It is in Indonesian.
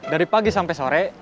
dari pagi sampai sore